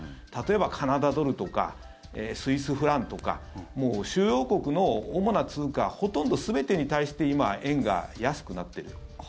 例えば、カナダドルとかスイスフランとか主要国の主な通貨ほとんど全てに対して今、円が安くなっている。